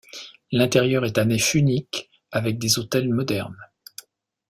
L'intérieur est à nef unique avec des autels modernes.